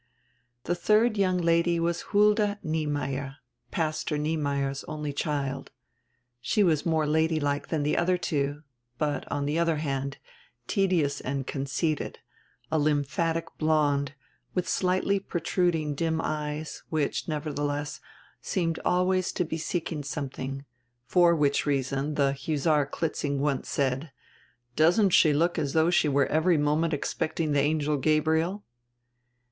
The third young lady was Hulda Niemeyer, Pastor Niemeyer's only child. She was more ladylike dian die odier two, hut, on die odier hand, tedious and conceited, a lymphatic blonde, with slighdy proUuding dim eyes, which, nevertiieless, seemed always to be seeking somediing, for which reason die Hussar Klitzing once said: "Doesn't she look as diough she were every moment expecting die angel Gabriel?"